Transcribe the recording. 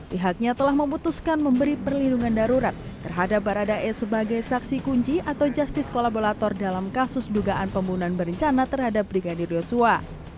pihaknya telah memutuskan memberi perlindungan darurat terhadap baradae sebagai saksi kunci atau justice kolaborator dalam kasus dugaan pembunuhan berencana terhadap brigadir yosua